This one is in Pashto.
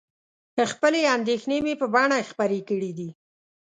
خپلې اندېښنې مې په بڼه خپرې کړي دي.